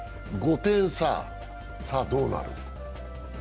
５点差、さあどうなる？